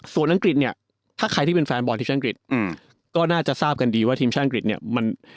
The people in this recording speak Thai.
ส่วนอังกฤษถ้าใครที่เป็นแฟนบอลทีมชาติอังกฤษก็น่าจะทราบกันดีว่าทีมชาติอังกฤษ